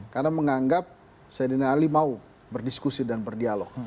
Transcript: karena menganggap saidina ali mau berdiskusi dan berdialog